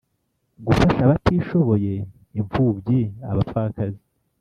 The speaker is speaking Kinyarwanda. Gufasha abatishoboye impfubyi abapfakazi